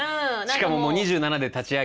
しかも２７で立ち上げて。